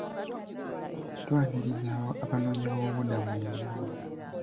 Twaniriza Abanoonyiboobubudamu mu Uganda.